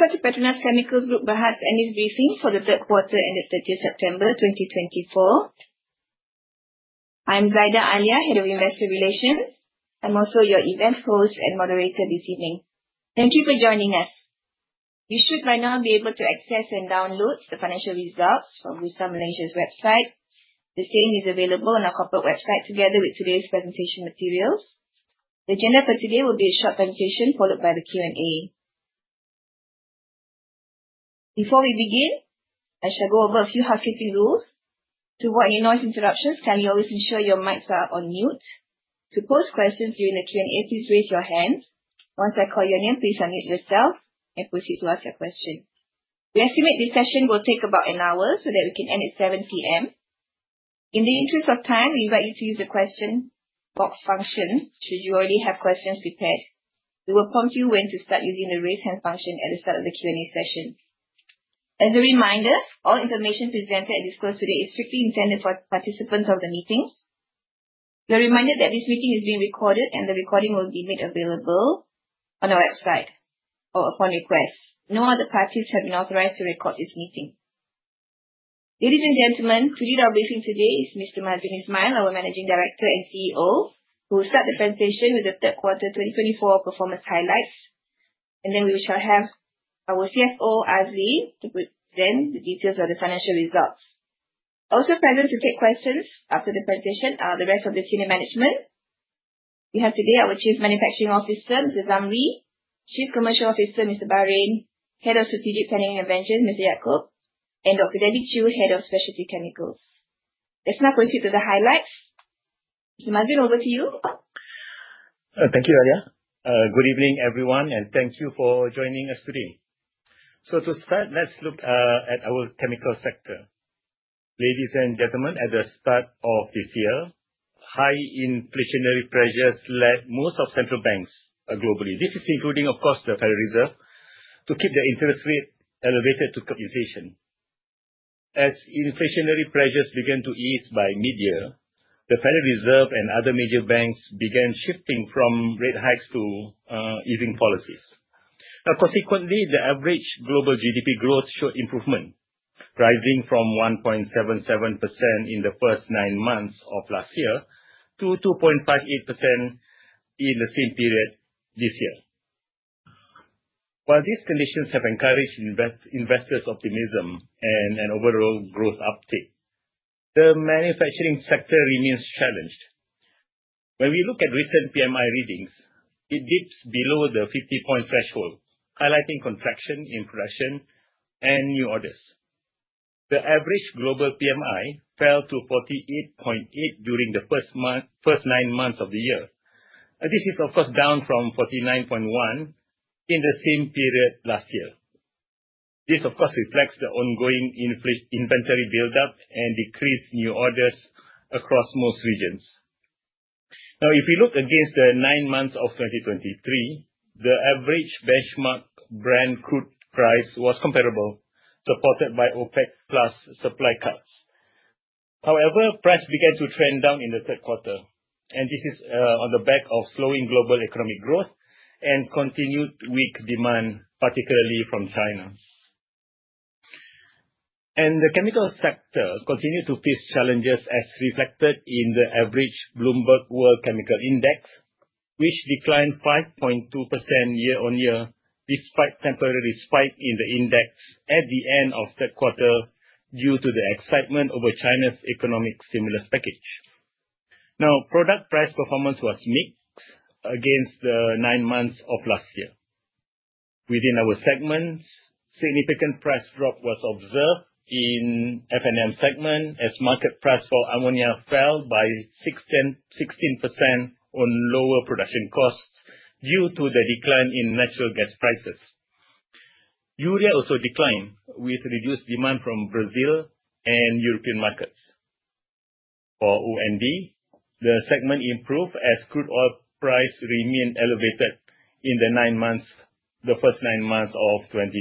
Welcome to PETRONAS Chemicals Group Berhad's earnings briefing for the third quarter and the 30th of September 2024. I'm Zaida Alia, Head of Investor Relations. I'm also your event host and moderator this evening. Thank you for joining us. You should by now be able to access and download the financial results from Bursa Malaysia's website. The same is available on our corporate website together with today's presentation materials. The agenda for today will be a short presentation followed by the Q&A. Before we begin, I shall go over a few housekeeping rules. To avoid any noise interruptions, kindly always ensure your mics are on mute. To post questions during the Q&A, please raise your hand. Once I call your name, please unmute yourself and proceed to ask your question. We estimate this session will take about an hour so that we can end at 7:00 P.M. In the interest of time, we invite you to use the question box function should you already have questions prepared. We will prompt you when to start using the raise hand function at the start of the Q&A session. As a reminder, all information presented and disclosed today is strictly intended for participants of the meetings. We are reminded that this meeting is being recorded and the recording will be made available on our website or upon request. No other parties have been authorized to record this meeting. Ladies and gentlemen, to lead our briefing today is Mr. Mazuin Ismail, our Managing Director and CEO, who will start the presentation with the third quarter 2024 performance highlights. And then we shall have our CFO, Azli, to present the details of the financial results. Also present to take questions after the presentation are the rest of the senior management. We have today our Chief Manufacturing Officer, Mr. Zamri, Chief Commercial Officer, Mr. Baharin, Head of Strategic Planning and Ventures, Mr. Yaacob, and Dr. Debbie Chiu, Head of Specialty Chemicals. Let's now proceed to the highlights. Mr. Mazuin, over to you. Thank you, Alia. Good evening, everyone, and thank you for joining us today. So to start, let's look at our chemical sector. Ladies and gentlemen, at the start of this year, high inflationary pressures led most of central banks globally. This is including, of course, the Federal Reserve, to keep the interest rate elevated to inflation. As inflationary pressures began to ease by mid-year, the Federal Reserve and other major banks began shifting from rate hikes to easing policies. Now, consequently, the average global GDP growth showed improvement, rising from 1.77% in the first nine months of last year to 2.58% in the same period this year. While these conditions have encouraged investors' optimism and an overall growth uptake, the manufacturing sector remains challenged. When we look at recent PMI readings, it dips below the 50-point threshold, highlighting contraction in production and new orders. The average global PMI fell to 48.8 during the first nine months of the year. This is, of course, down from 49.1 in the same period last year. This, of course, reflects the ongoing inventory buildup and decreased new orders across most regions. Now, if we look against the nine months of 2023, the average benchmark Brent crude price was comparable, supported by OPEC+ supply cuts. However, price began to trend down in the third quarter, and this is on the back of slowing global economic growth and continued weak demand, particularly from China, and the chemical sector continued to face challenges as reflected in the average Bloomberg World Chemical Index, which declined 5.2% year-on-year despite a temporary spike in the index at the end of the third quarter due to the excitement over China's economic stimulus package. Now, product price performance was mixed against the nine months of last year. Within our segments, a significant price drop was observed in the F&M segment as market price for ammonia fell by 16% on lower production costs due to the decline in natural gas prices. Urea also declined with reduced demand from Brazil and European markets. For O&D, the segment improved as crude oil price remained elevated in the first nine months of 2024.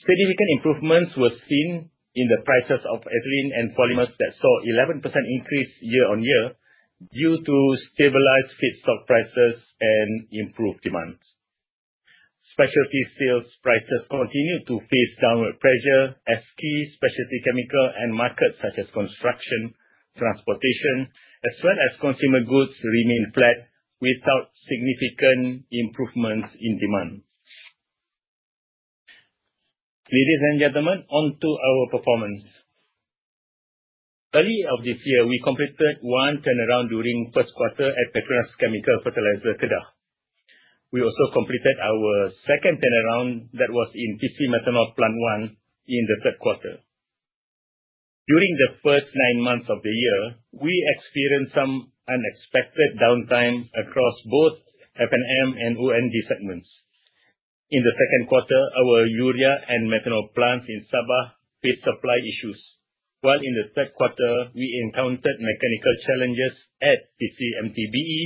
Significant improvements were seen in the prices of ethylene and polymers that saw an 11% increase year-on-year due to stabilized feedstock prices and improved demand. Specialty sales prices continued to face downward pressure as key specialty chemicals and markets such as construction, transportation, as well as consumer goods remained flat without significant improvements in demand. Ladies and gentlemen, on to our performance. Early this year, we completed one turnaround during the first quarter at PETRONAS Fertiliser Kedah. We also completed our second turnaround that was in PC Methanol Plant One in the third quarter. During the first nine months of the year, we experienced some unexpected downtime across both F&M and O&D segments. In the second quarter, our urea and methanol plants in Sabah faced supply issues, while in the third quarter, we encountered mechanical challenges at PC MTBE,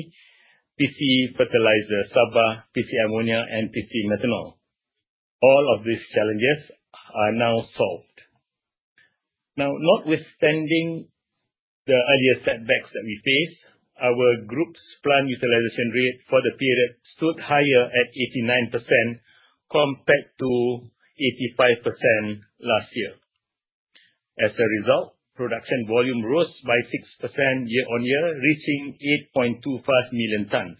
PC Fertiliser Sabah, PC Ammonia, and PC Methanol. All of these challenges are now solved. Now, notwithstanding the earlier setbacks that we faced, our group's plant utilization rate for the period stood higher at 89% compared to 85% last year. As a result, production volume rose by 6% year-on-year, reaching 8.25 million tons.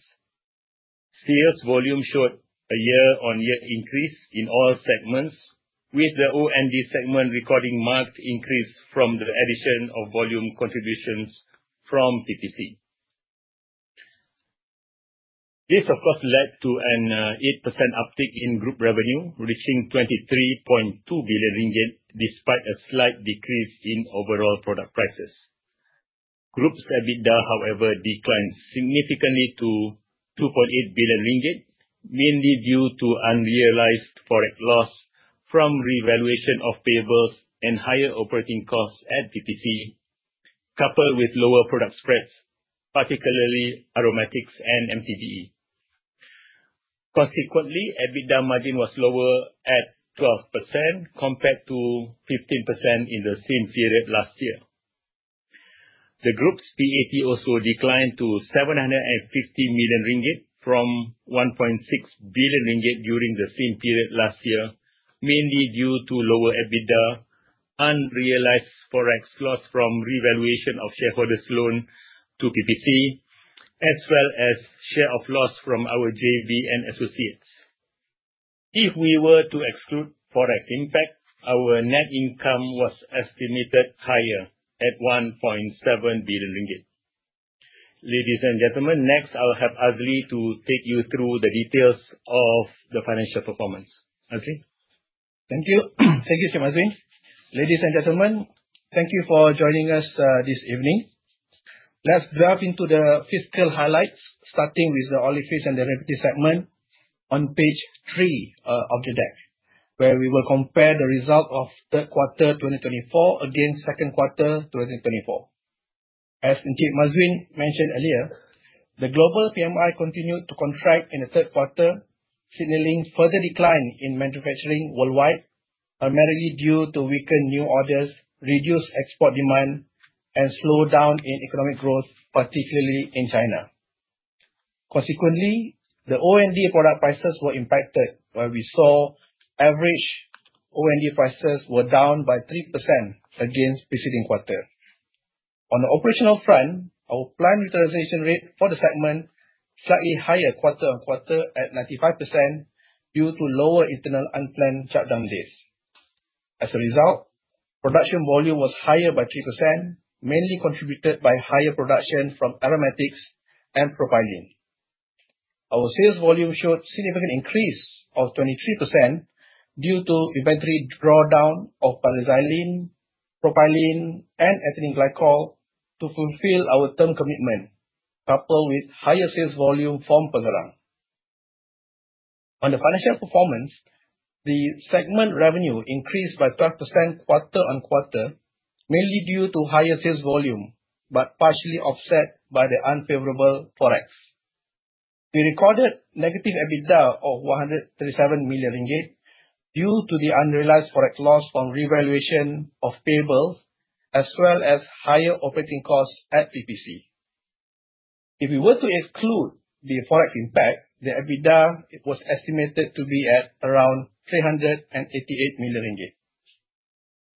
Sales volume showed a year-on-year increase in all segments, with the O&D segment recording marked increase from the addition of volume contributions from PPC. This, of course, led to an 8% uptick in group revenue, reaching 23.2 billion ringgit despite a slight decrease in overall product prices. Group's EBITDA, however, declined significantly to 2.8 billion ringgit, mainly due to unrealized forex loss from revaluation of payables and higher operating costs at PPC, coupled with lower product spreads, particularly aromatics and MTBE. Consequently, EBITDA margin was lower at 12% compared to 15% in the same period last year. The group's PAT also declined to 750 million ringgit from 1.6 billion ringgit during the same period last year, mainly due to lower EBITDA, unrealized forex loss from revaluation of shareholders' loan to PPC, as well as share of loss from our JV and associates. If we were to exclude forex impact, our net income was estimated higher at 1.7 billion ringgit. Ladies and gentlemen, next, I'll have Azli to take you through the details of the financial performance. Azli. Thank you. Thank you, Mr. Mazuin. Ladies and gentlemen, thank you for joining us this evening. Let's dive into the fiscal highlights, starting with the Olefins and Derivatives segment on page three of the deck, where we will compare the results of the third quarter 2024 against the second quarter 2024. As Encik Mazuin mentioned earlier, the global PMI continued to contract in the third quarter, signaling further decline in manufacturing worldwide, primarily due to weaker new orders, reduced export demand, and slowdown in economic growth, particularly in China. Consequently, the O&D product prices were impacted, where we saw average O&D prices were down by 3% against the preceding quarter. On the operational front, our plant utilization rate for the segment slightly higher quarter on quarter at 95% due to lower internal unplanned shutdown days. As a result, production volume was higher by 3%, mainly contributed by higher production from aromatics and propylene. Our sales volume showed a significant increase of 23% due to inventory drawdown of paraxylene, propylene, and ethylene glycol to fulfill our term commitment, coupled with higher sales volume from Pengerang. On the financial performance, the segment revenue increased by 12% quarter on quarter, mainly due to higher sales volume but partially offset by the unfavorable forex. We recorded negative EBITDA of 137 million ringgit due to the unrealized forex loss from revaluation of payables, as well as higher operating costs at PPC. If we were to exclude the forex impact, the EBITDA was estimated to be at around 388 million ringgit.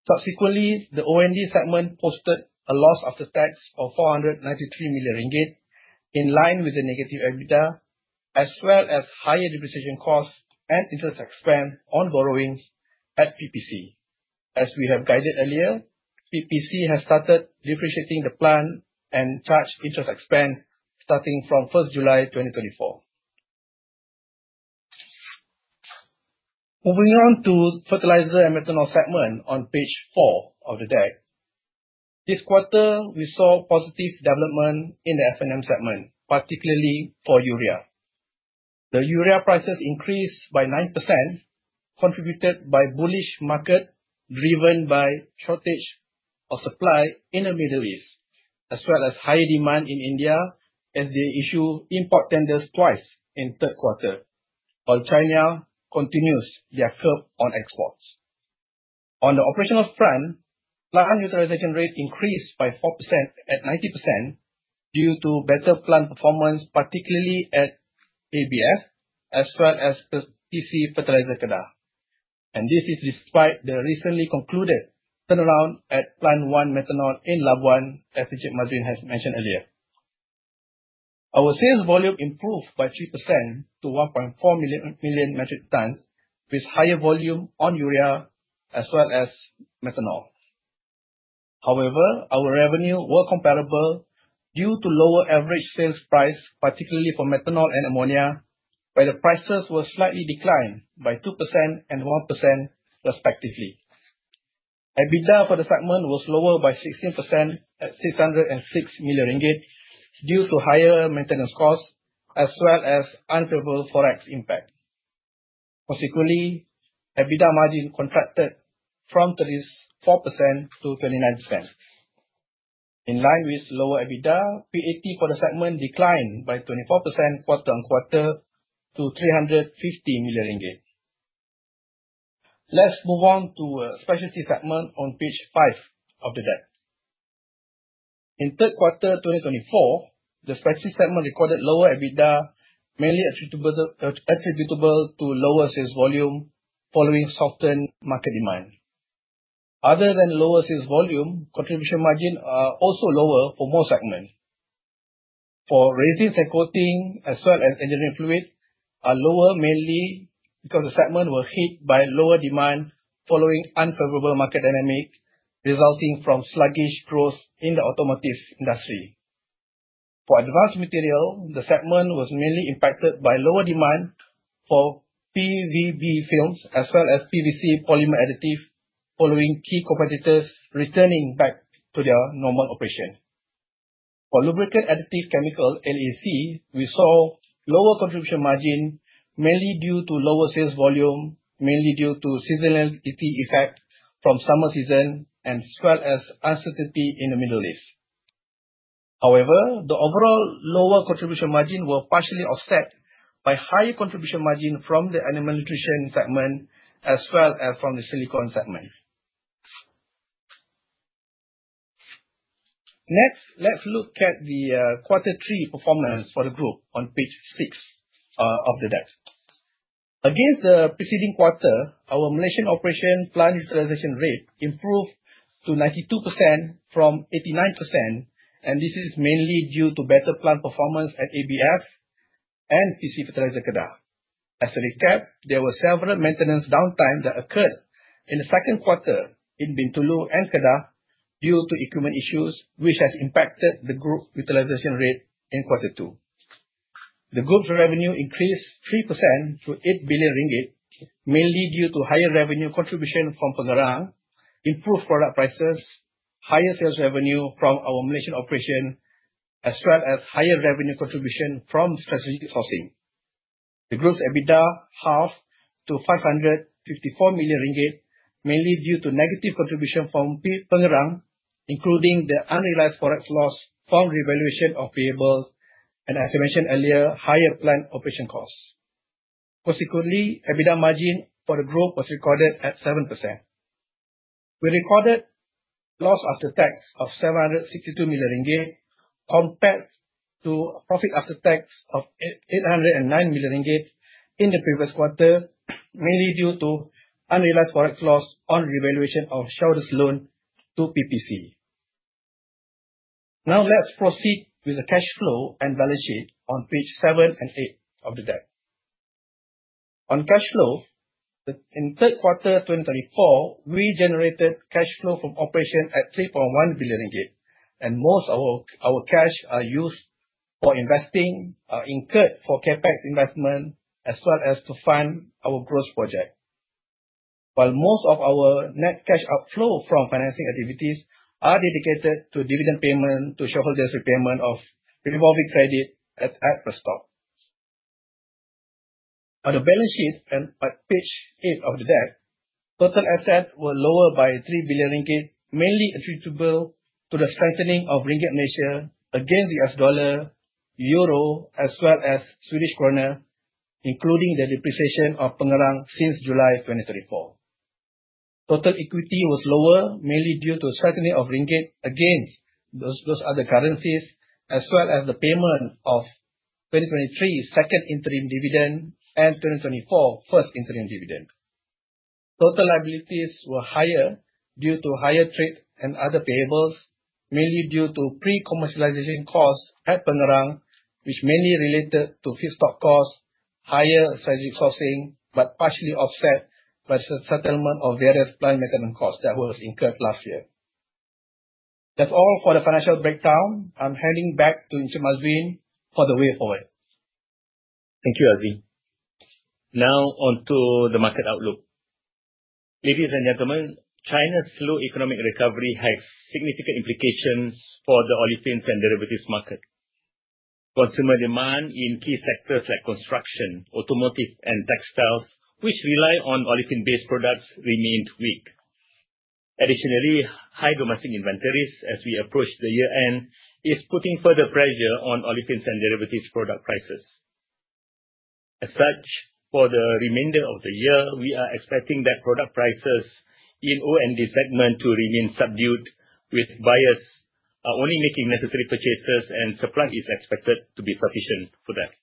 Subsequently, the O&D segment posted a loss after tax of 493 million ringgit, in line with the negative EBITDA, as well as higher depreciation costs and interest expense on borrowings at PPC. As we have guided earlier, PPC has started depreciating the plant and charged interest expense starting from 1st July 2024. Moving on to the fertilizer and methanol segment on page four of the deck. This quarter, we saw positive development in the F&M segment, particularly for urea. The urea prices increased by 9%, contributed by a bullish market driven by the shortage of supply in the Middle East, as well as high demand in India as they issued import tenders twice in the third quarter, while China continues to curb exports. On the operational front, plant utilization rate increased by 4% at 90% due to better plant performance, particularly at ABF, as well as PETRONAS Fertiliser Kedah, and this is despite the recently concluded turnaround at Plant One Methanol in Labuan, as Mazuin has mentioned earlier. Our sales volume improved by 3% to 1.4 million metric tons, with higher volume on urea as well as methanol. However, our revenue was comparable due to lower average sales price, particularly for methanol and ammonia, where the prices were slightly declined by 2% and 1%, respectively. EBITDA for the segment was lower by 16% at 606 million ringgit due to higher maintenance costs as well as unfavorable forex impact. Consequently, EBITDA margin contracted from 34%-29%. In line with lower EBITDA, PAT for the segment declined by 24% quarter on quarter to 350 million ringgit. Let's move on to the specialty segment on page five of the deck. In the third quarter 2024, the specialty segment recorded lower EBITDA, mainly attributable to lower sales volume following softened market demand. Other than lower sales volume, contribution margins are also lower for most segments. For resins, coatings, as well as engineering fluids, are lower mainly because the segment was hit by lower demand following unfavorable market dynamics resulting from sluggish growth in the automotive industry. For advanced materials, the segment was mainly impacted by lower demand for PVB films as well as PVC polymer additives following key competitors returning back to their normal operation. For lubricant additive chemicals, LAC, we saw lower contribution margins mainly due to lower sales volume, mainly due to seasonality effects from summer season, as well as uncertainty in the Middle East. However, the overall lower contribution margins were partially offset by higher contribution margins from the animal nutrition segment as well as from the silicon segment. Next, let's look at the quarter three performance for the group on page six of the deck. Against the preceding quarter, our Malaysian operation plant utilization rate improved to 92% from 89%, and this is mainly due to better plant performance at ABF and PC Fertiliser Kedah. As a recap, there were several maintenance downtimes that occurred in the second quarter in Bintulu and Kedah due to equipment issues, which has impacted the group utilization rate in quarter two. The group's revenue increased 3% to 8 billion ringgit, mainly due to higher revenue contribution from Pengerang, improved product prices, higher sales revenue from our Malaysian operation, as well as higher revenue contribution from strategic sourcing. The group's EBITDA halved to 554 million ringgit, mainly due to negative contribution from Pengerang, including the unrealized forex loss from revaluation of payables, and as I mentioned earlier, higher plant operation costs. Consequently, EBITDA margin for the group was recorded at 7%. We recorded loss after tax of 762 million ringgit compared to profit after tax of 809 million ringgit in the previous quarter, mainly due to unrealized forex loss on revaluation of shareholders' loan to PPC. Now, let's proceed with the cash flow and balance sheet on page seven and eight of the deck. On cash flow, in the third quarter 2024, we generated cash flow from operations at 3.1 billion ringgit, and most of our cash is used for investing, incurred for CapEx investment, as well as to fund our growth project. While most of our net cash outflow from financing activities is dedicated to dividend payment to shareholders, repayment of revolving credit at Perstorp. On the balance sheet and at page eight of the deck, total assets were lower by 3 billion ringgit, mainly attributable to the strengthening of Ringgit Malaysia against the U.S. Dollar, Euro, as well as Swedish Krona, including the depreciation of Pengerang since July 2024. Total equity was lower, mainly due to the strengthening of Ringgit against those other currencies, as well as the payment of 2023 second interim dividend and 2024 first interim dividend. Total liabilities were higher due to higher trade and other payables, mainly due to pre-commercialization costs at Pengerang, which mainly related to fixed costs, higher strategic sourcing, but partially offset by the settlement of various plant maintenance costs that were incurred last year. That's all for the financial breakdown. I'm handing back to Mazuin for the way forward. Thank you, Azli. Now, on to the market outlook. Ladies and gentlemen, China's slow economic recovery has significant implications for the olefins and derivatives market. Consumer demand in key sectors like construction, automotive, and textiles, which rely on olefins-based products, remained weak. Additionally, high domestic inventories as we approach the year-end are putting further pressure on olefins and derivatives product prices. As such, for the remainder of the year, we are expecting that product prices in the O&D segment to remain subdued, with buyers only making necessary purchases, and supply is expected to be sufficient for that.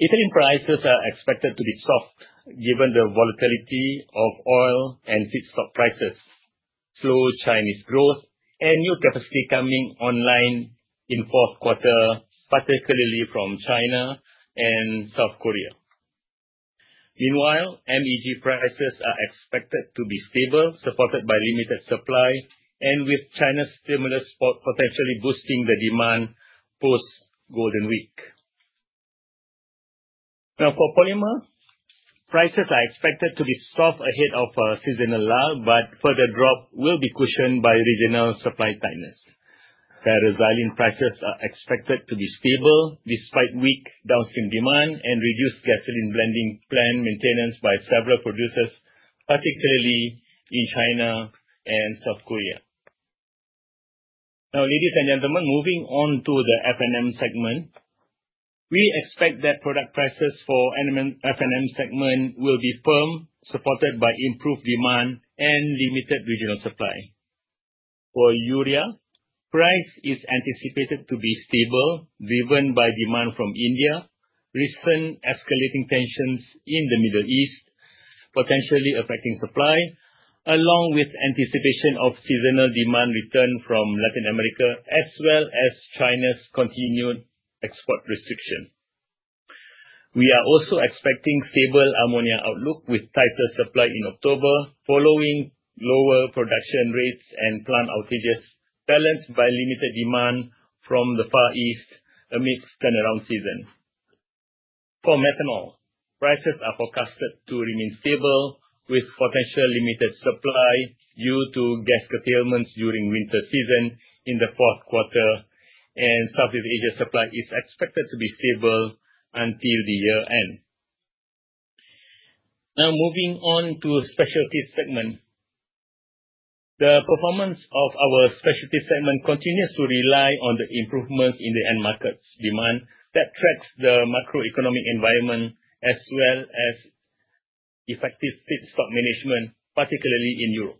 Ethylene prices are expected to be soft given the volatility of oil and feedstock prices, slow Chinese growth, and new capacity coming online in the fourth quarter, particularly from China and South Korea. Meanwhile, MEG prices are expected to be stable, supported by limited supply, and with China's stimulus potentially boosting the demand post-Golden Week. Now, for polymer, prices are expected to be soft ahead of a seasonal lull, but further drops will be cushioned by regional supply tightness. Paraxylene prices are expected to be stable despite weak downstream demand and reduced gasoline blending plant maintenance by several producers, particularly in China and South Korea. Now, ladies and gentlemen, moving on to the F&M segment, we expect that product prices for the F&M segment will be firm, supported by improved demand and limited regional supply. For urea, prices are anticipated to be stable, driven by demand from India, recent escalating tensions in the Middle East potentially affecting supply, along with the anticipation of seasonal demand return from Latin America, as well as China's continued export restrictions. We are also expecting a stable ammonia outlook with tighter supply in October, following lower production rates and plant outages balanced by limited demand from the Far East amidst the turnaround season. For methanol, prices are forecasted to remain stable, with potential limited supply due to gas curtailments during the winter season in the fourth quarter, and Southeast Asia supply is expected to be stable until the year-end. Now, moving on to the specialty segment, the performance of our specialty segment continues to rely on the improvements in the end market demand that tracks the macroeconomic environment as well as effective feedstock management, particularly in Europe.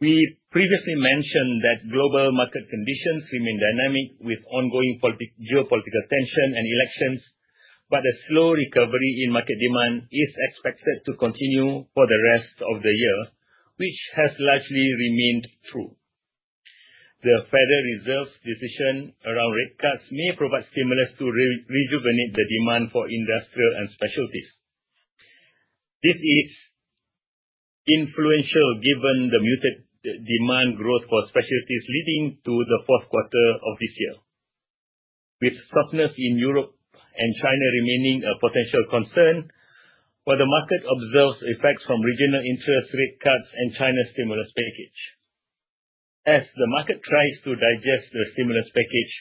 We previously mentioned that global market conditions remain dynamic with ongoing geopolitical tensions and elections, but a slow recovery in market demand is expected to continue for the rest of the year, which has largely remained true. The Federal Reserve's decision around rate cuts may provide stimulus to rejuvenate the demand for industrial and specialties. This is influential given the muted demand growth for specialties leading to the fourth quarter of this year. With softness in Europe and China remaining a potential concern, the market observes effects from regional interest rate cuts and China's stimulus package. As the market tries to digest the stimulus package,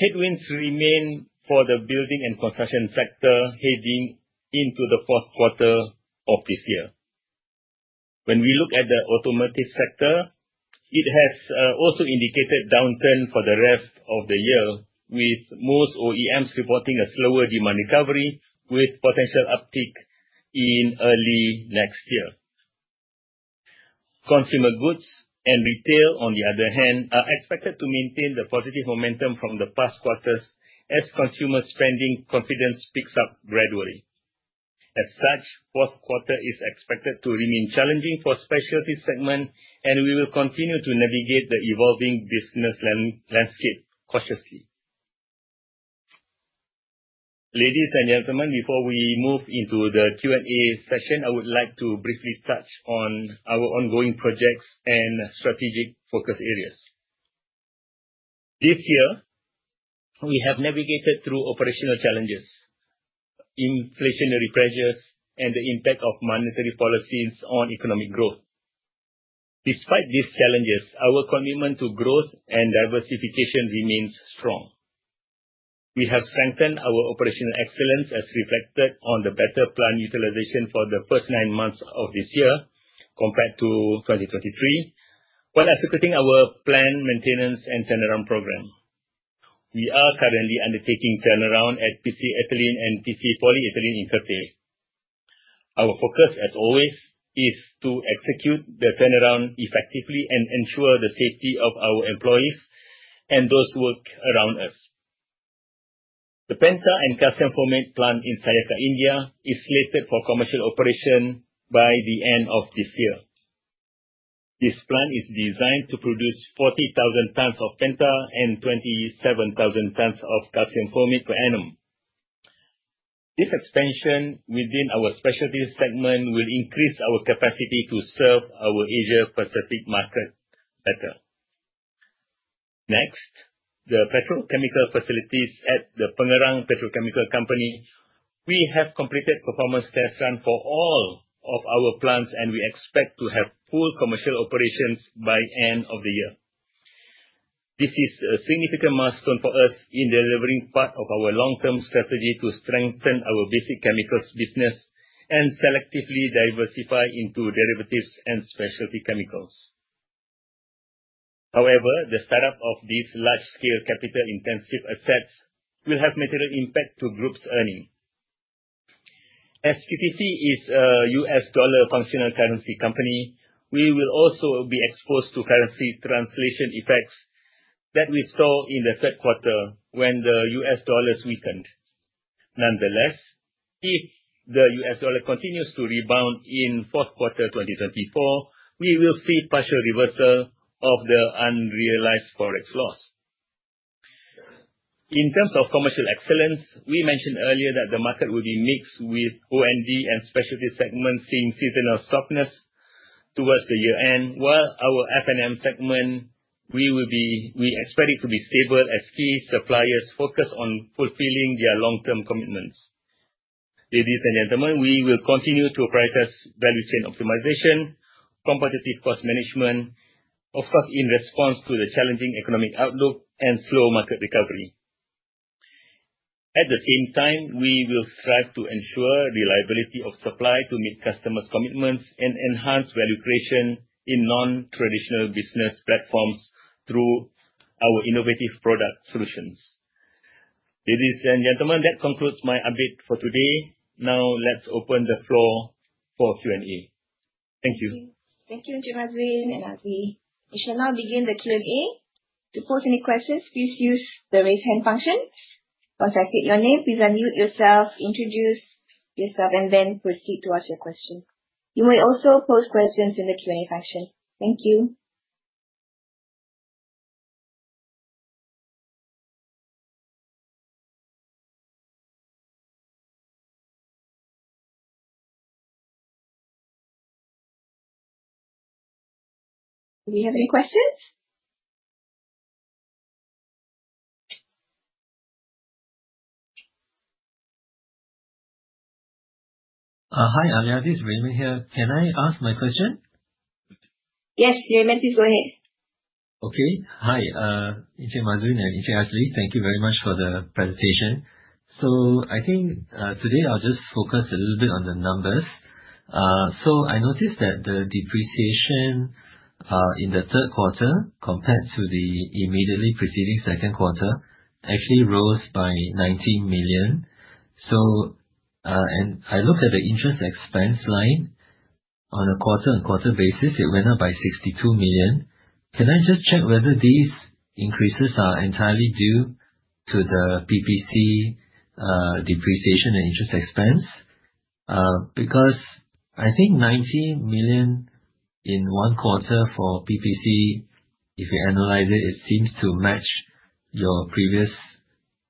headwinds remain for the building and construction sector heading into the fourth quarter of this year. When we look at the automotive sector, it has also indicated a downturn for the rest of the year, with most OEMs reporting a slower demand recovery with potential uptick in early next year. Consumer goods and retail, on the other hand, are expected to maintain the positive momentum from the past quarters as consumer spending confidence picks up gradually. As such, the fourth quarter is expected to remain challenging for the specialty segment, and we will continue to navigate the evolving business landscape cautiously. Ladies and gentlemen, before we move into the Q&A session, I would like to briefly touch on our ongoing projects and strategic focus areas. This year, we have navigated through operational challenges, inflationary pressures, and the impact of monetary policies on economic growth. Despite these challenges, our commitment to growth and diversification remains strong. We have strengthened our operational excellence as reflected on the better plant utilization for the first nine months of this year compared to 2023, while executing our plant maintenance and turnaround program. We are currently undertaking turnaround at PC Ethylene and PC Polyethylene in Kerteh. Our focus, as always, is to execute the turnaround effectively and ensure the safety of our employees and those who work around us. The Penta and Calcium Formate Plant in Sayakha, India, is slated for commercial operation by the end of this year. This plant is designed to produce 40,000 tons of Penta and 27,000 tons of Calcium Formate per annum. This expansion within our specialty segment will increase our capacity to serve our Asia-Pacific market better. Next, the petrochemical facilities at the Pengerang Petrochemical Company. We have completed a performance test run for all of our plants, and we expect to have full commercial operations by the end of the year. This is a significant milestone for us in delivering part of our long-term strategy to strengthen our basic chemicals business and selectively diversify into derivatives and specialty chemicals. However, the startup of these large-scale capital-intensive assets will have a material impact on the group's earnings. As PCG is a U.S. dollar functional currency company, we will also be exposed to currency translation effects that we saw in the third quarter when the U.S. dollar weakened. Nonetheless, if the U.S. dollar continues to rebound in the fourth quarter 2024, we will see a partial reversal of the unrealized forex loss. In terms of commercial excellence, we mentioned earlier that the market will be mixed with O&D and specialty segments seeing seasonal softness towards the year-end, while our F&M segment, we expect it to be stable as key suppliers focus on fulfilling their long-term commitments. Ladies and gentlemen, we will continue to prioritize value chain optimization, competitive cost management, of course, in response to the challenging economic outlook and slow market recovery. At the same time, we will strive to ensure the reliability of supply to meet customers' commitments and enhance value creation in non-traditional business platforms through our innovative product solutions. Ladies and gentlemen, that concludes my update for today. Now, let's open the floor for Q&A. Thank you. Thank you, Mazuin and Azli. We shall now begin the Q&A. To post any questions, please use the raise hand function. Once I state your name, please unmute yourself, introduce yourself, and then proceed to ask your question. You may also post questions in the Q&A function. Thank you. Do you have any questions? Hi, Ali, this is Raymond here. Can I ask my question? Yes, Raymond, please go ahead. Okay. Hi, Mazuin and Azli. Thank you very much for the presentation. I think today I'll just focus a little bit on the numbers. I noticed that the depreciation in the third quarter compared to the immediately preceding second quarter actually rose by 19 million. I looked at the interest expense line on a quarter-on-quarter basis. It went up by 62 million. Can I just check whether these increases are entirely due to the PPC depreciation and interest expense? Because I think 19 million in one quarter for PPC, if you analyze it, it seems to match your previous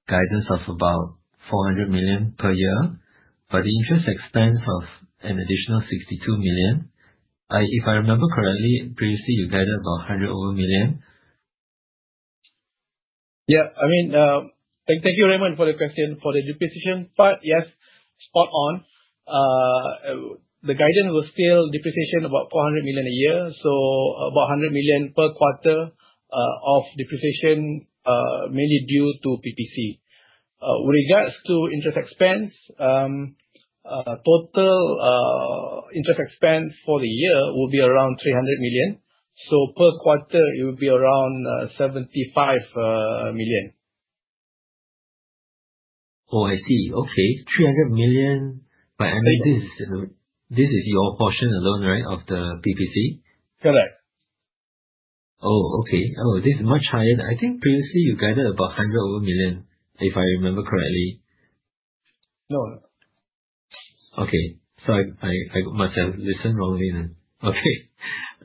guidance of about 400 million per year. The interest expense of an additional 62 million, if I remember correctly, previously you guided about 100 over a million. Yeah, I mean, thank you, Raymond, for the question for the depreciation part. Yes, spot on. The guidance was still depreciation about 400 million a year. So about 100 million per quarter of depreciation, mainly due to PPC. With regards to interest expense, total interest expense for the year will be around 300 million. So per quarter, it will be around 75 million. Oh, I see. Okay, 300 million. But I mean, this is your portion alone, right, of the PPC? Correct. Oh, okay. Oh, this is much higher. I think previously you guided about over 100 million, if I remember correctly. No, no. Okay. So I must have listened wrongly then. Okay.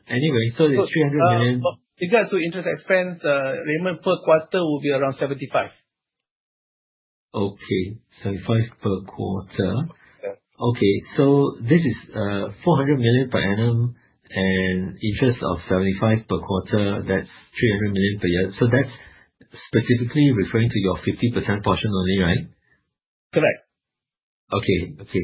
Anyway, so it's 300 million. Regards to interest expense, Raymond, per quarter will be around 75. Okay, MYR 75 per quarter. Okay, so this is 400 million per annum and interest of 75 per quarter. That's 300 million per year. So that's specifically referring to your 50% portion only, right? Correct. Okay, okay.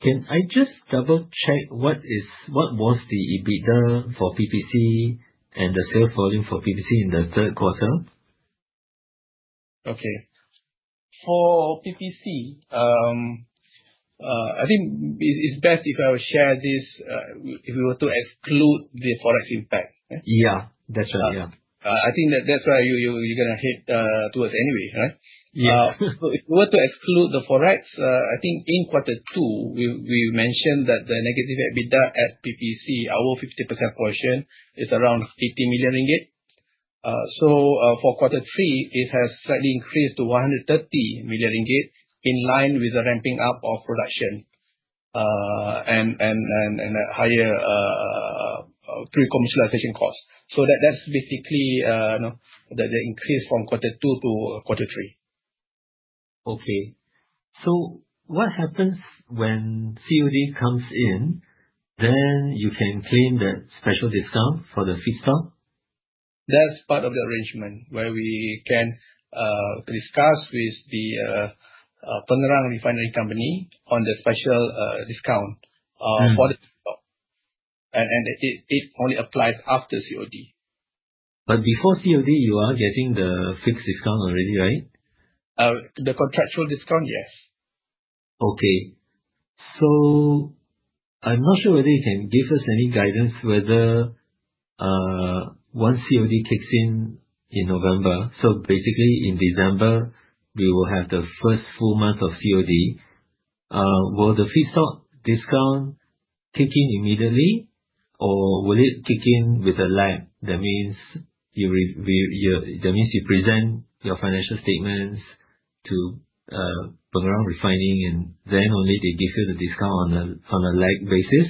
Can I just double-check what was the EBITDA for PPC and the sales volume for PPC in the third quarter? Okay. For PPC, I think it's best if I will share this if we were to exclude the forex impact. Yeah, that's right. Yeah. I think that's why you're going to hit towards anyway, right? Yeah. If we were to exclude the forex, I think in quarter two, we mentioned that the negative EBITDA at PPC, our 50% portion, is around 80 million ringgit. For quarter three, it has slightly increased to 130 million ringgit in line with the ramping up of production and higher pre-commercialization costs. That's basically the increase from quarter two to quarter three. Okay. So what happens when COD comes in, then you can claim that special discount for the feedstock? That's part of the arrangement where we can discuss with the Pengerang Refining Company on the special discount for the feedstock. And it only applies after COD. But before COD, you are getting the fixed discount already, right? The contractual discount, yes. I'm not sure whether you can give us any guidance whether once COD kicks in in November, so basically in December, we will have the first full month of COD, will the feedstock discount kick in immediately, or will it kick in with a lag? That means you present your financial statements to Pengerang Refining, and then only they give you the discount on a lagged basis?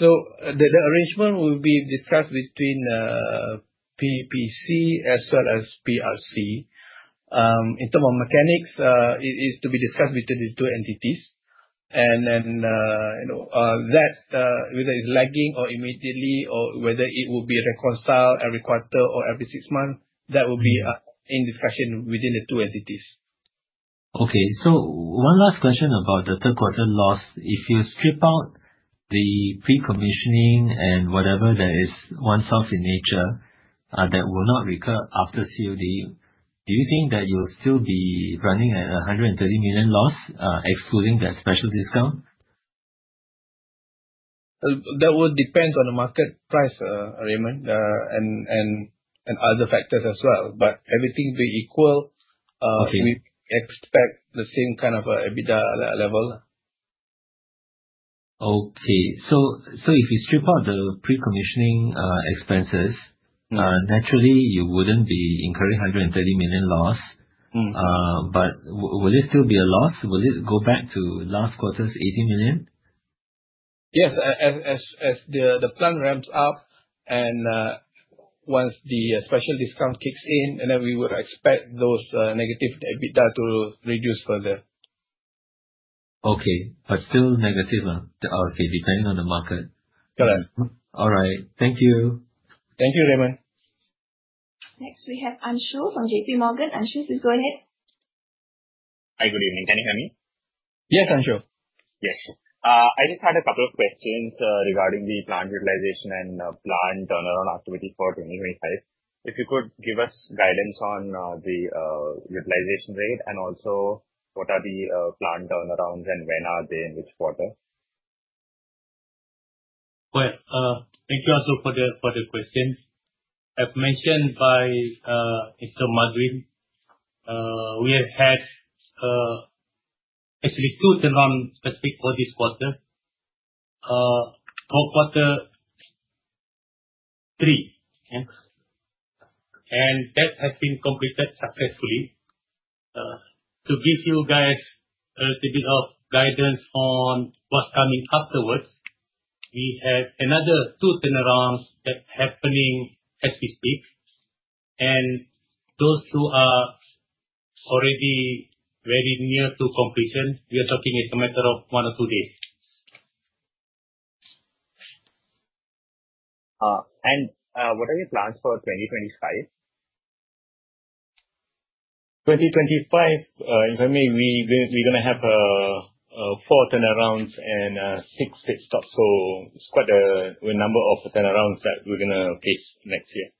So the arrangement will be discussed between PPC as well as PRC. In terms of mechanics, it is to be discussed between the two entities. And then whether it's lagging or immediately, or whether it will be reconciled every quarter or every six months, that will be in discussion within the two entities. Okay. So one last question about the third quarter loss. If you strip out the pre-commissioning and whatever that is one-off in nature that will not recur after COD, do you think that you'll still be running at a 130 million loss excluding that special discount? That will depend on the market price, Raymond, and other factors as well. But everything being equal, we expect the same kind of EBITDA level. Okay, so if you strip out the pre-commissioning expenses, naturally, you wouldn't be incurring 130 million loss. But will it still be a loss? Will it go back to last quarter's 80 million? Yes, as the plan ramps up and once the special discount kicks in, and then we will expect those negative EBITDA to reduce further. Okay. But still negative. Okay, depending on the market. Correct. All right. Thank you. Thank you, Raymond. Next, we have Anshu from JPMorgan. Anshu, please go ahead. Hi, good evening. Can you hear me? Yes, Anshu. Yes. I just had a couple of questions regarding the plant utilization and plant turnaround activity for 2025. If you could give us guidance on the utilization rate and also what are the plant turnarounds and when are they in which quarter? Thank you also for the question. As mentioned by Mr. Mazuin, we have had actually two turnarounds specific for this quarter: fourth quarter, three, and that has been completed successfully. To give you guys a little bit of guidance on what's coming afterwards, we have another two turnarounds that are happening as we speak, and those are already very near to completion, we are talking it's a matter of one or two days. What are your plans for 2025? 2025, if I may, we're going to have four turnarounds and six feedstocks. So it's quite a number of turnarounds that we're going to face next year.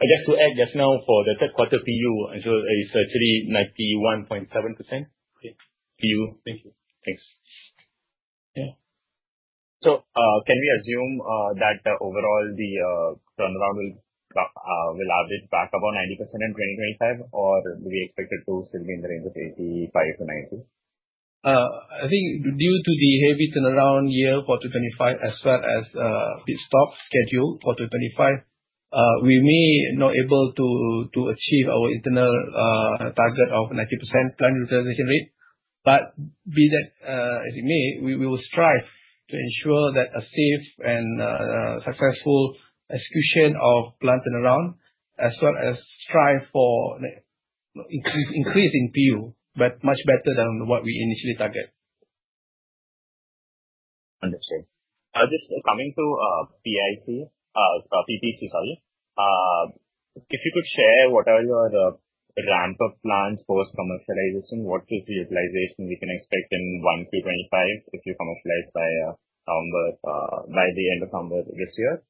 Just to add just now, for the third quarter PU, it's actually 91.7% PU. Thank you. Thanks. Yeah. So can we assume that overall the turnaround will average back about 90% in 2025, or do we expect it to still be in the range of 85%-90%? I think due to the heavy turnaround year for 2025 as well as feedstock schedule for 2025, we may not be able to achieve our internal target of 90% plant utilization rate. But be that as it may, we will strive to ensure that a safe and successful execution of plant turnaround as well as strive for increase in PU, but much better than what we initially target. Understood. Just coming to PIC, PPC, sorry. If you could share what are your ramp-up plans post-commercialization, what is the utilization we can expect in Q2025 if you commercialize by the end of summer this year?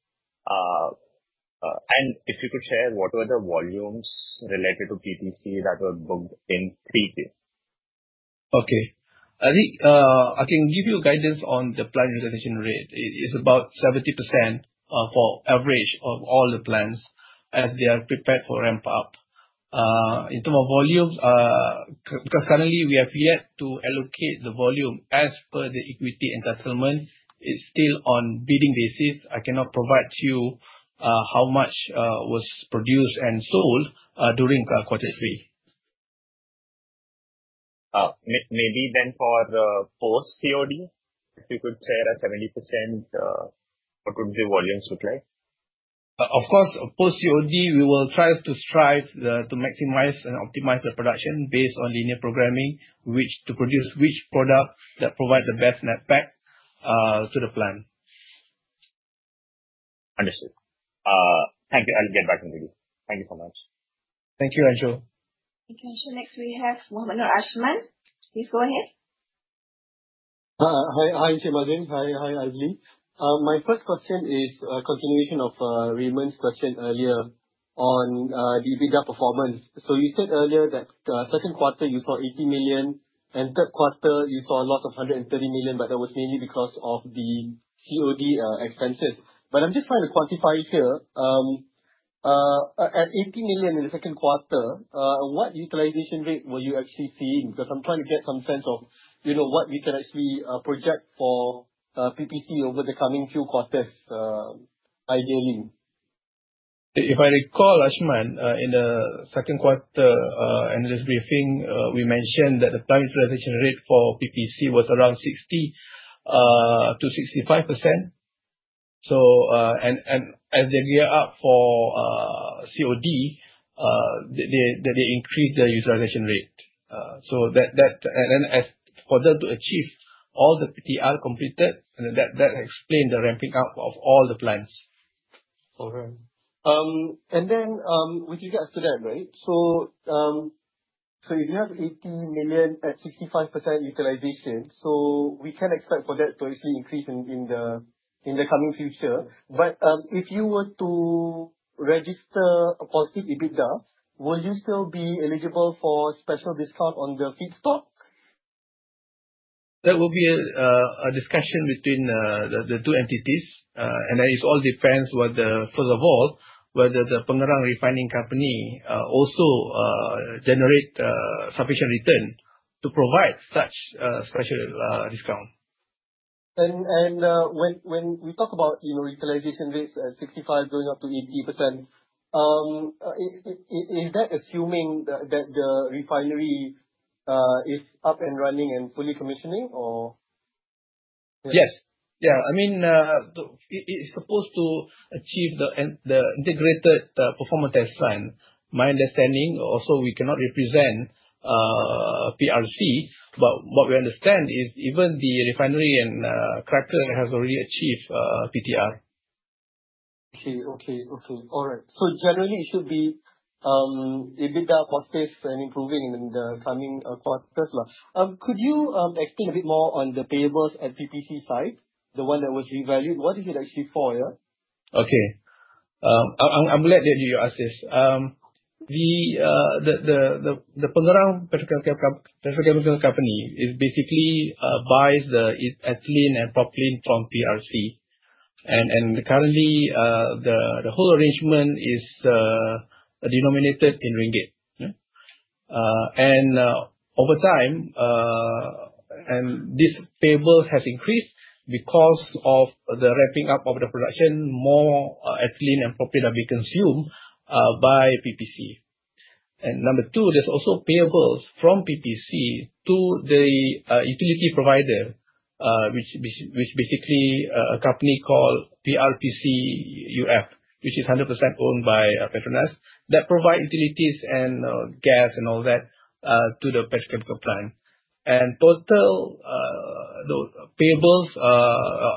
And if you could share what were the volumes related to PPC that were booked in three years? Okay. I think I can give you guidance on the plant utilization rate. It's about 70% for average of all the plants as they are prepared for ramp-up. In terms of volumes, because currently we have yet to allocate the volume as per the equity entitlement, it's still on bidding basis. I cannot provide you how much was produced and sold during quarter three. Maybe then for post-COD, if you could share a 70%, what would the volumes look like? Of course, post-COD, we will try to strive to maximize and optimize the production based on linear programming, which to produce which product that provides the best netback to the plant. Understood. Thank you. I'll get back to you. Thank you so much. Thank you, Anshu. Thank you, Anshu. Next, we have Mohd Noor Azhman. Please go ahead. Hi, Mazuin. Hi, Azli. My first question is a continuation of Raymond's question earlier on the EBITDA performance. So you said earlier that second quarter you saw 80 million, and third quarter you saw a loss of 130 million, but that was mainly because of the COD expenses. But I'm just trying to quantify here. At 80 million in the second quarter, what utilization rate were you actually seeing? Because I'm trying to get some sense of what we can actually project for PPC over the coming few quarters, ideally. If I recall, Azhman, in the second quarter analyst briefing, we mentioned that the plant utilization rate for PPC was around 60%-65%. And as they gear up for COD, they increase their utilization rate. So for them to achieve all the PTR completed, that explains the ramping up of all the plants. All right. And then with regards to that, right, so if you have 80 million at 65% utilization, so we can expect for that to actually increase in the coming future. But if you were to register a positive EBITDA, will you still be eligible for special discount on the feedstock? That will be a discussion between the two entities. And it all depends whether, first of all, whether the Pengerang Refining Company also generates sufficient return to provide such a special discount. When we talk about utilization rates at 65% going up to 80%, is that assuming that the refinery is up and running and fully commissioning, or? Yes. Yeah. I mean, it's supposed to achieve the integrated performance test run. My understanding also we cannot represent PRC, but what we understand is even the refinery and cracker has already achieved PTR. Okay. All right. So generally, it should be EBITDA positive and improving in the coming quarters as well. Could you explain a bit more on the payables at PPC side, the one that was revalued? What is it actually for, yeah? Okay. I'm glad that you asked this. The Pengerang Petrochemical Company basically buys the ethylene and propylene from PRC. And currently, the whole arrangement is denominated in ringgit. And over time, this payable has increased because of the ramping up of the production, more ethylene and propylene are being consumed by PPC. And number two, there's also payables from PPC to the utility provider, which is basically a company called PRPC UF, which is 100% owned by PETRONAS that provides utilities and gas and all that to the petrochemical plant. And total payables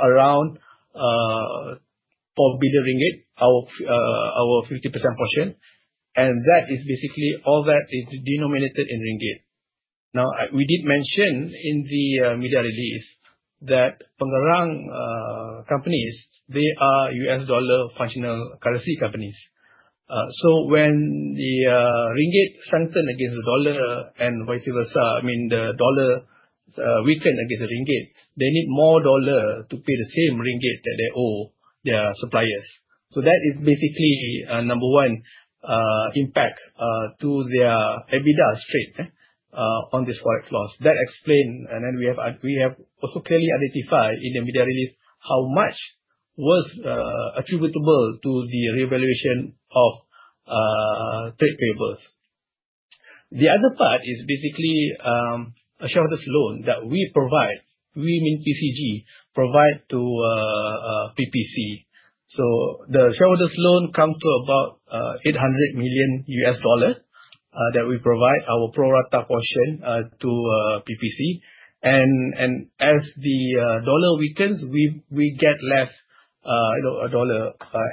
around 4 billion ringgit, our 50% portion. And that is basically all that is denominated in ringgit. Now, we did mention in the media release that Pengerang companies, they are U.S. Dollar functional currency companies. So when the ringgit strengthens against the dollar and vice versa, I mean, the dollar weakens against the ringgit, they need more dollars to pay the same ringgit that they owe their suppliers. So that is basically number one impact to their EBITDA straight on this forex loss. That explains, and then we have also clearly identified in the media release how much was attributable to the revaluation of trade payables. The other part is basically a shareholders' loan that we provide, we mean PCG, provide to PPC. So the shareholders' loan comes to about $800 million that we provide our pro-rata portion to PPC. And as the dollar weakens, we get less dollar.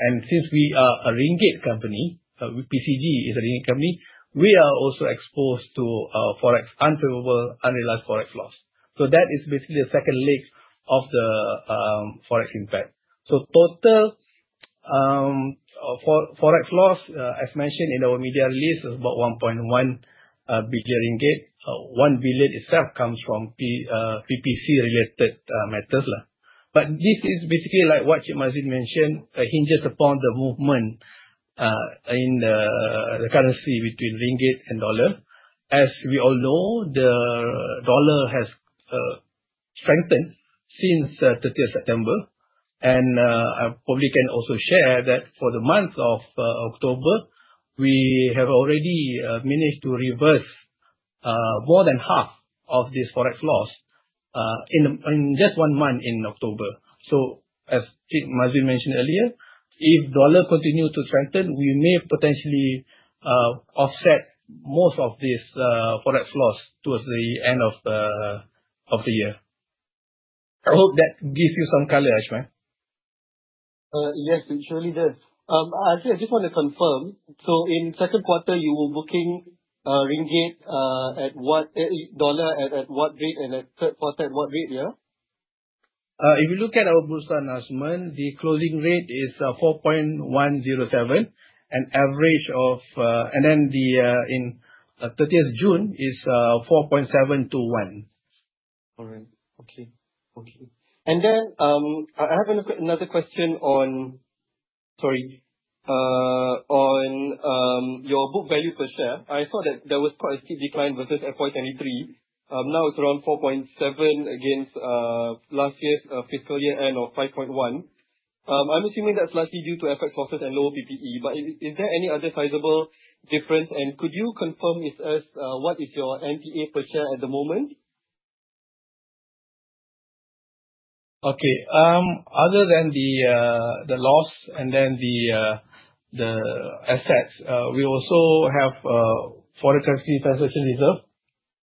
And since we are a ringgit company, PCG is a ringgit company, we are also exposed to forex unfavorable, unrealized forex loss. So that is basically the second leg of the forex impact. Total forex loss, as mentioned in our media release, is about 1.1 billion ringgit. 1 billion itself comes from PPC-related matters. But this is basically like what Mazuin mentioned, hinges upon the movement in the currency between ringgit and dollar. As we all know, the dollar has strengthened since 30th September. And I probably can also share that for the month of October, we have already managed to reverse more than half of this forex loss in just one month in October. So as Mazuin mentioned earlier, if dollar continues to strengthen, we may potentially offset most of this forex loss towards the end of the year. I hope that gives you some color, Azhman. Yes, it surely does. Zaida, I just want to confirm. So in second quarter, you were booking ringgit at what dollar at what rate, and at third quarter at what rate, yeah? If you look at our books, Anshu, the closing rate is 4.107, and the average for the 30th of June is 4.721. All right. Okay. And then I have another question on, sorry, on your book value per share. I saw that there was quite a steep decline versus FY23. Now it's around 4.7 against last year's fiscal year end of 5.1. I'm assuming that's largely due to FX losses and lower PPE. But is there any other sizable difference? And could you confirm with us what is your NAV per share at the moment? Okay. Other than the loss and then the assets, we also have foreign currency transaction reserve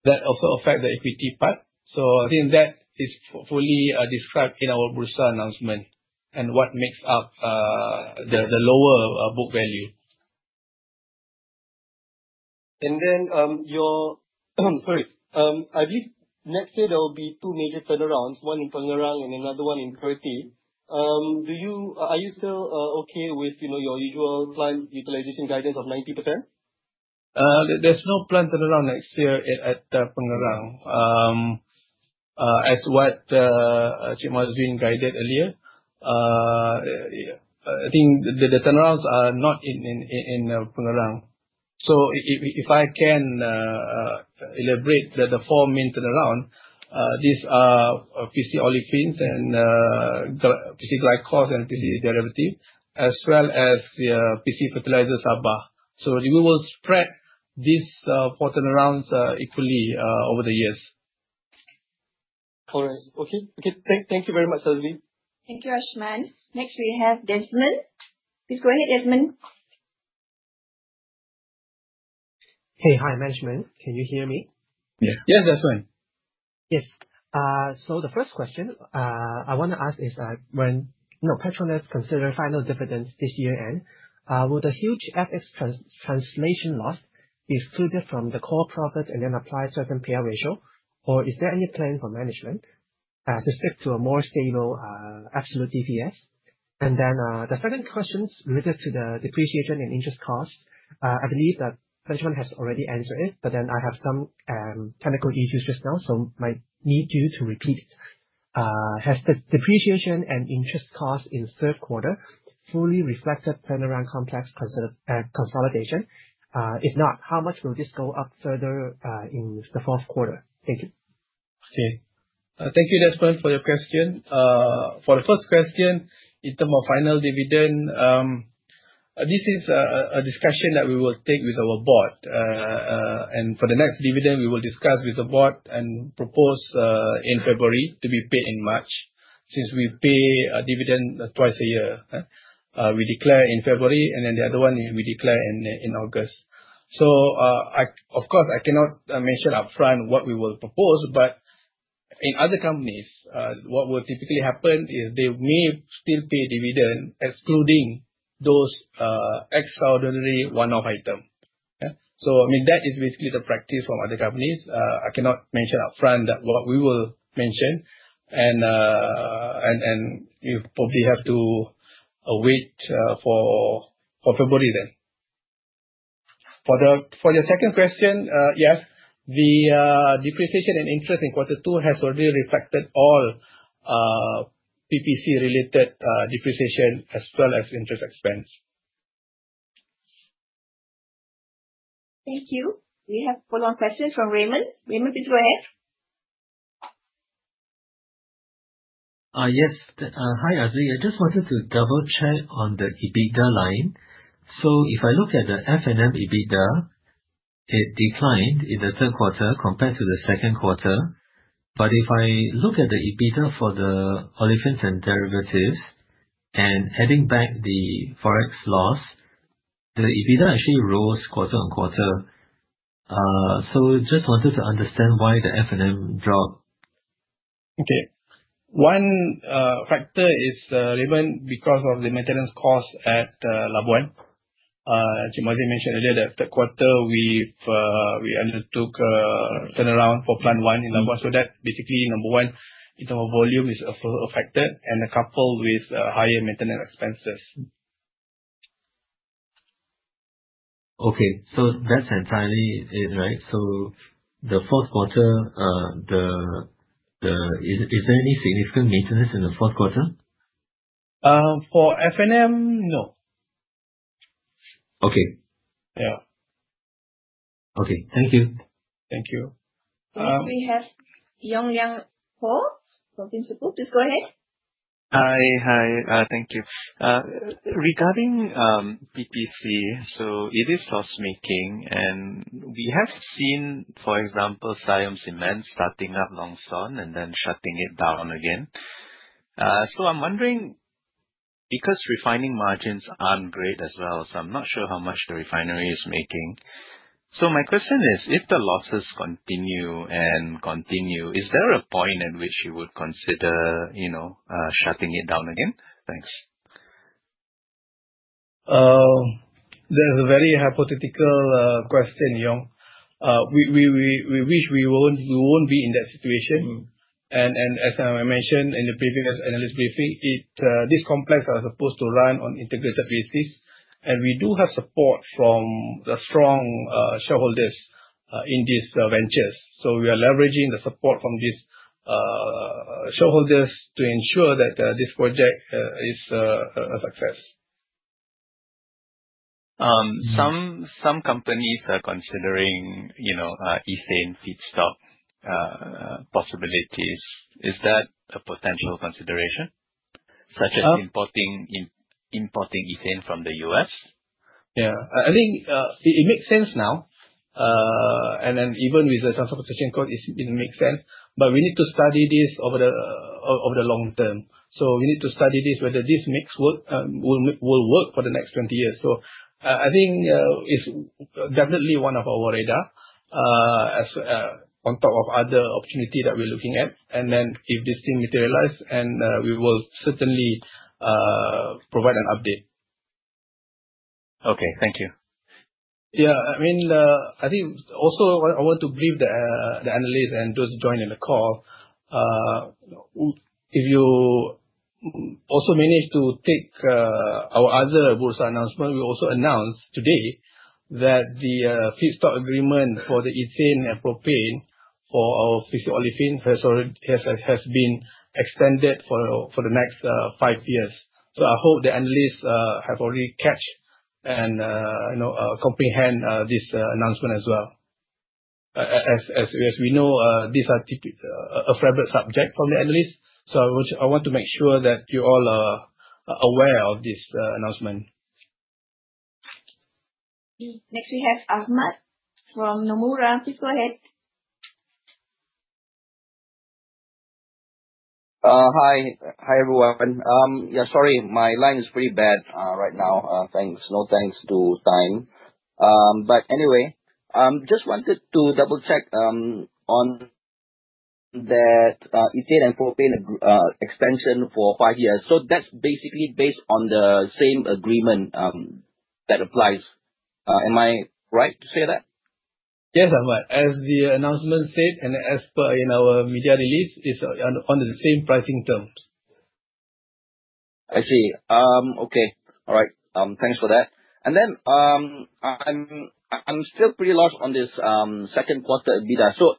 that also affects the equity part. So I think that is fully described in our Bursa announcement and what makes up the lower book value. And then, your, sorry, I believe next year there will be two major turnarounds, one in Pengerang and another one in Kerteh. Are you still okay with your usual plant utilization guidance of 90%? There's no plant turnaround next year at Pengerang. As what Mazuin guided earlier, I think the turnarounds are not in Pengerang. So if I can elaborate the four main turnarounds, these are PC Olefins and PC Glycols and PC Derivatives, as well as PC Fertiliser Sabah. So we will spread these four turnarounds equally over the years. All right. Okay. Thank you very much, Azli. Thank you, Azhman. Next, we have Desmond. Please go ahead, Desmond. Hey, hi, Management. Can you hear me? Yes, Desmond. Yes. So the first question I want to ask is, when PETRONAS considers final dividends this year-end, will the huge FX translation loss be excluded from the core profits and then apply a certain payout ratio, or is there any plan for management to stick to a more stable absolute DPS? The second question is related to the depreciation and interest cost. I believe that Management has already answered it, but then I have some technical issues just now, so might need you to repeat it. Has the depreciation and interest cost in third quarter fully reflected Pengerang Complex consolidation? If not, how much will this go up further in the fourth quarter? Thank you. Okay. Thank you, Desmond, for your question. For the first question, in terms of final dividend, this is a discussion that we will take with our board. And for the next dividend, we will discuss with the board and propose in February to be paid in March since we pay dividends twice a year. We declare in February, and then the other one we declare in August. So of course, I cannot mention upfront what we will propose, but in other companies, what will typically happen is they may still pay dividends excluding those extraordinary one-off items. So I mean, that is basically the practice from other companies. I cannot mention upfront what we will mention, and you probably have to wait for February then. For the second question, yes, the depreciation and interest in quarter two has already reflected all PPC-related depreciation as well as interest expense. Thank you. We have one more question from Raymond. Raymond, please go ahead. Yes. Hi, Azli. I just wanted to double-check on the EBITDA line. So if I look at the F&M EBITDA, it declined in the third quarter compared to the second quarter. But if I look at the EBITDA for the Olefins and Derivatives and adding back the forex loss, the EBITDA actually rose quarter on quarter. So I just wanted to understand why the F&M dropped? Okay. One factor is, Raymond, because of the maintenance cost at Labuan. Mazuin mentioned earlier that third quarter, we undertook a turnaround for plant one in Labuan. So that basically, number one, in terms of volume, is affected, and coupled with higher maintenance expenses. Okay. So that's entirely it, right? So the fourth quarter, is there any significant maintenance in the fourth quarter? For F&M, no. Okay. Yeah. Okay. Thank you. Thank you. We have Yong Yang Ho, Nomura. Please go ahead. Hi. Hi. Thank you. Regarding PPC, so it is loss-making, and we have seen, for example, Siam Cement starting up Long Son and then shutting it down again. So I'm wondering, because refining margins aren't great as well, so I'm not sure how much the refinery is making. So my question is, if the losses continue, is there a point at which you would consider shutting it down again? Thanks. That's a very hypothetical question, Yong. We wish we won't be in that situation. And as I mentioned in the previous analyst briefing, this complex is supposed to run on an integrated basis, and we do have support from the strong shareholders in these ventures. So we are leveraging the support from these shareholders to ensure that this project is a success. Some companies are considering ethane feedstock possibilities. Is that a potential consideration, such as importing ethane from the U.S.? Yeah, I think it makes sense now, and then even with the transportation cost, it makes sense, but we need to study this over the long term, so we need to study this, whether this will work for the next 20 years, so I think it's definitely on our radar on top of other opportunities that we're looking at, and then if this thing materializes, we will certainly provide an update. Okay. Thank you. Yeah. I mean, I think also I want to brief the analysts and those joining the call. If you also manage to take our other Bursa announcement, we also announced today that the feedstock agreement for the ethane and propane for our PC Olefins has been extended for the next five years. So I hope the analysts have already caught and comprehended this announcement as well. As we know, these are a favorite subject from the analysts. So I want to make sure that you all are aware of this announcement. Next, we have Ahmad from Nomura. Please go ahead. Hi. Hi, everyone. Yeah. Sorry, my line is pretty bad right now. Thanks. No thanks due to time. But anyway, just wanted to double-check on that ethane and propane extension for five years. So that's basically based on the same agreement that applies. Am I right to say that? Yes, Ahmad. As the announcement said, and as per our media release, it's under the same pricing terms. I see. Okay. All right. Thanks for that. And then I'm still pretty lost on this second quarter EBITDA. So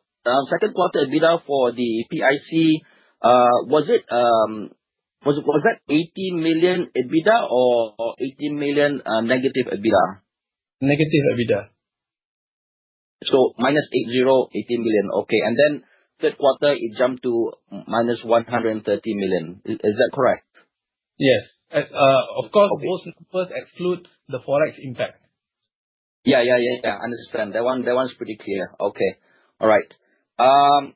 second quarter EBITDA for the PIC, was that 18 million EBITDA or 18 million negative EBITDA? Negative EBITDA. So minus 80.18 million. Okay. And then third quarter, it jumped to minus 130 million. Is that correct? Yes. Of course, those numbers exclude the forex impact. I understand. That one's pretty clear. Okay. All right.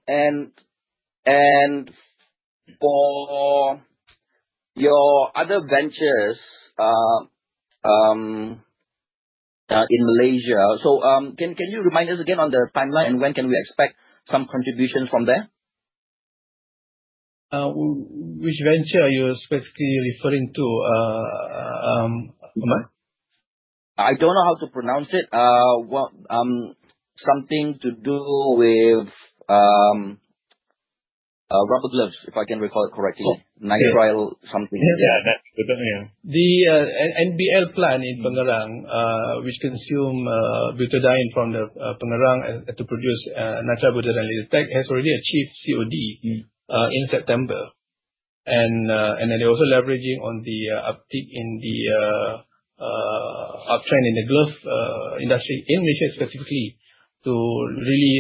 And for your other ventures in Malaysia, so can you remind us again on the timeline and when can we expect some contributions from there? Which venture are you specifically referring to, Ahmad? I don't know how to pronounce it. Something to do with rubber gloves, if I can recall it correctly. Nitrile Butadiene Latex. Yeah. Nitrile. Yeah. The NBL plant in Pengerang, which consumes butadiene from the Pengerang to produce nitrile butadiene latex, has already achieved COD in September. And then they're also leveraging on the uptick in the uptrend in the glove industry in Malaysia specifically to really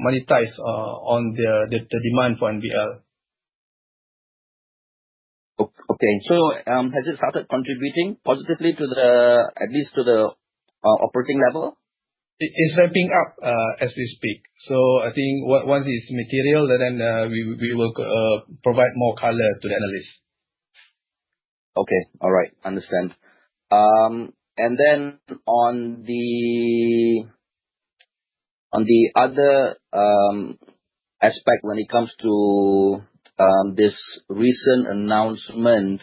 monetize on the demand for NBL. Okay. Has it started contributing positively to the, at least to the operating level? It's ramping up as we speak. So I think once it's material, then we will provide more color to the analysts. Okay. All right. Understand. And then on the other aspect, when it comes to this recent announcement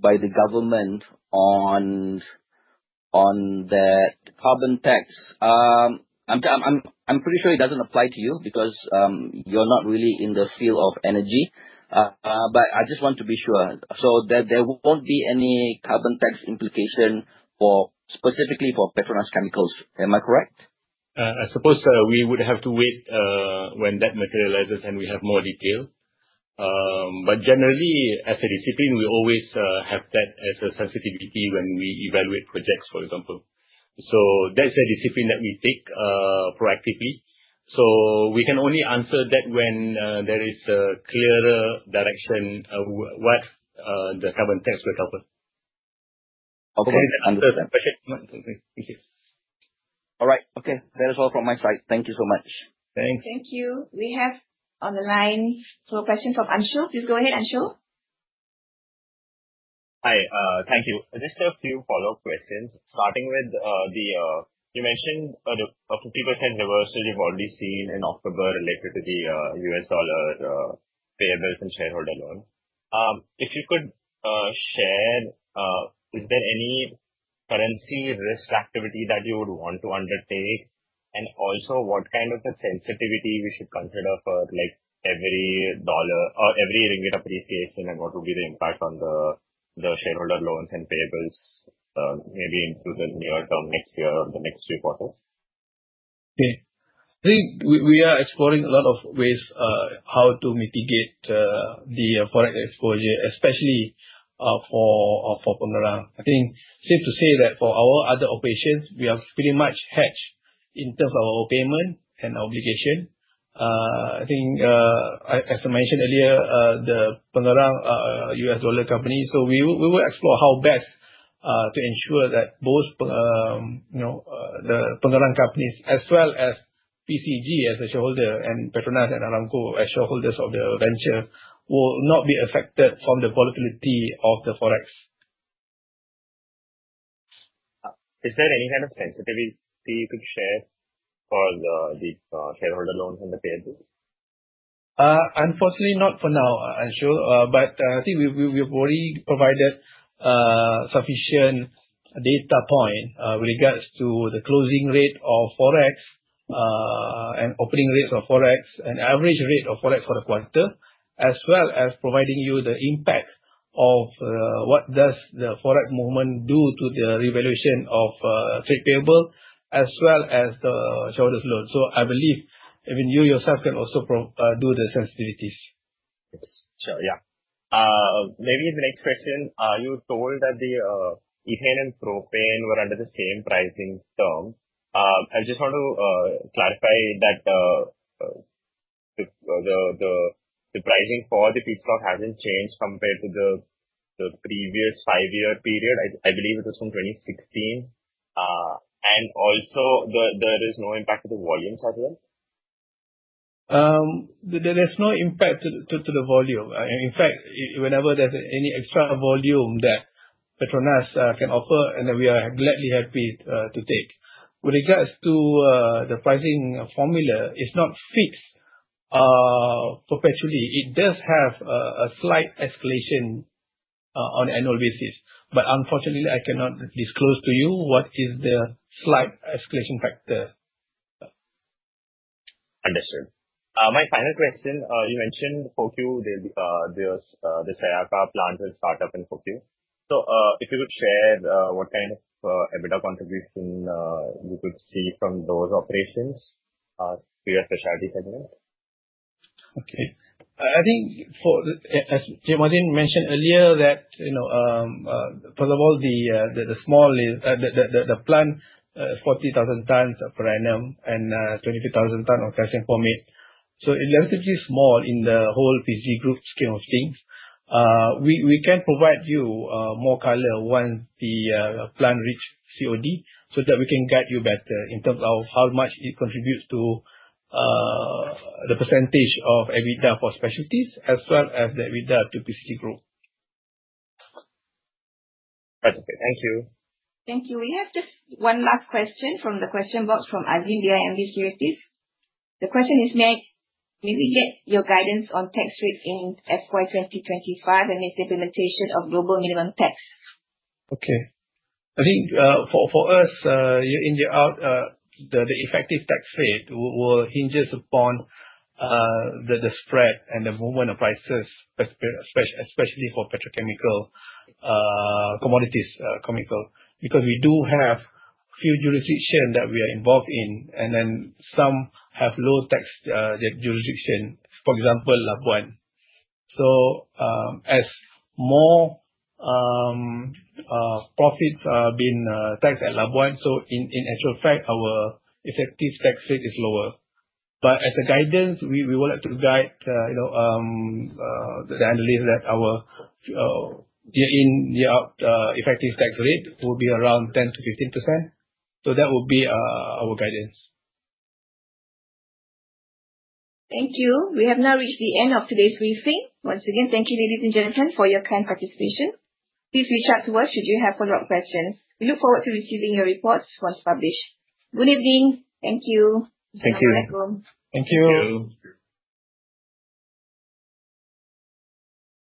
by the government on that carbon tax, I'm pretty sure it doesn't apply to you because you're not really in the field of energy. But I just want to be sure. So there won't be any carbon tax implication specifically for PETRONAS Chemicals. Am I correct? I suppose we would have to wait when that materializes and we have more detail. But generally, as a discipline, we always have that as a sensitivity when we evaluate projects, for example. So that's a discipline that we take proactively. So we can only answer that when there is a clearer direction of what the carbon tax will cover. Okay. I think that's the question. Thank you. All right. Okay. That is all from my side. Thank you so much. Thanks. Thank you. We have on the line two more questions from Anshu. Please go ahead, Anshu. Hi. Thank you. Just a few follow-up questions. Starting with the, you mentioned a 50% reverse which you've already seen in October related to the U.S. dollar payables and shareholder loan. If you could share, is there any currency risk activity that you would want to undertake? And also, what kind of sensitivity we should consider for every dollar or every ringgit appreciation and what would be the impact on the shareholder loans and payables, maybe into the near term next year or the next three quarters? Okay. I think we are exploring a lot of ways how to mitigate the forex exposure, especially for Pengerang. I think safe to say that for our other operations, we are pretty much hedged in terms of our payment and obligation. I think, as I mentioned earlier, the Pengerang U.S. dollar company. So we will explore how best to ensure that both the Pengerang companies as well as PCG as a shareholder and PETRONAS and Aramco as shareholders of the venture will not be affected from the volatility of the forex. Is there any kind of sensitivity you could share for the shareholder loans and the payables? Unfortunately, not for now, Anshu, but I think we've already provided sufficient data points with regards to the closing rate of forex and opening rates of forex and average rate of forex for the quarter, as well as providing you the impact of what does the forex movement do to the revaluation of trade payable as well as the shareholders' loan, so I believe even you yourself can also do the sensitivities. Sure. Yeah. Maybe the next question, you were told that the ethane and propane were under the same pricing term. I just want to clarify that the pricing for the feedstock hasn't changed compared to the previous five-year period. I believe it was from 2016, and also, there is no impact to the volumes as well? There is no impact to the volume. In fact, whenever there's any extra volume that PETRONAS can offer, and then we are gladly happy to take. With regards to the pricing formula, it's not fixed perpetually. It does have a slight escalation on an annual basis. But unfortunately, I cannot disclose to you what is the slight escalation factor. Understood. My final question, you mentioned FY24, the Sayakha plant will start up in FY24. So if you could share what kind of EBITDA contribution you could see from those operations to your specialty segment? Okay. I think, as CMO Zamri mentioned earlier, that first of all, the scale is the plant is 40,000 tons per annum of penta and 25,000 tons of calcium formate. So it's relatively small in the whole PCG Group scheme of things. We can provide you more color once the plant reaches COD so that we can guide you better in terms of how much it contributes to the percentage of EBITDA for specialties as well as the EBITDA to PCG Group. Perfect. Thank you. Thank you. We have just one last question from the question box from Arvind from AmInvestment, please. The question is, may we get your guidance on tax rates in FY 2025 and its implementation of global minimum tax? Okay. I think for us, year in, year out, the effective tax rate will hinge upon the spread and the movement of prices, especially for petrochemical commodities. Because we do have a few jurisdictions that we are involved in, and then some have low tax jurisdiction, for example, Labuan. So as more profits are being taxed at Labuan, so in actual fact, our effective tax rate is lower. But as a guidance, we would like to guide the analysts that our year in, year out effective tax rate will be around 10%-15%. So that would be our guidance. Thank you. We have now reached the end of today's briefing. Once again, thank you, ladies and gentlemen, for your kind participation. Please reach out to us should you have follow-up questions. We look forward to receiving your reports once published. Good evening. Thank you. Thank you. Thank you. Thank you.